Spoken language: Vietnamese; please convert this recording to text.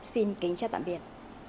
xin kính chào tạm biệt